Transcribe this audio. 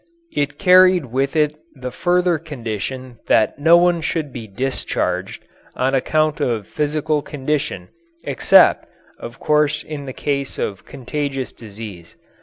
It carried with it the further condition that no one should be discharged on account of physical condition, except, of course, in the case of contagious disease.